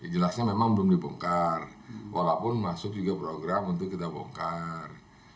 jelasnya memang belum dibongkar walaupun masuk juga program untuk kita bongkar